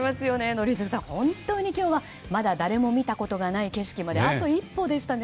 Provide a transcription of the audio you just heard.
宜嗣さん、今日は本当にまだ誰も見たことがない景色まであと一歩でしたね。